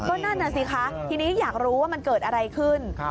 ก็นั่นน่ะสิคะทีนี้อยากรู้ว่ามันเกิดอะไรขึ้น